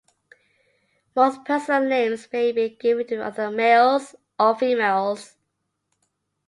Most personal names may be given to either males or females.